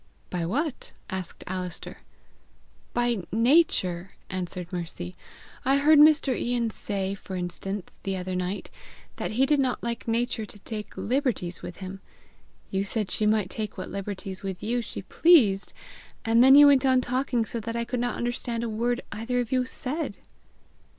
"By what?" asked Alister. "By NATURE" answered Mercy. "I heard Mr. Ian say, for instance, the other night, that he did not like Nature to take liberties with him; you said she might take what liberties with you she pleased; and then you went on talking so that I could not understand a word either of you said!"